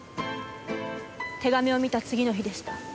手紙を見た次の日でした。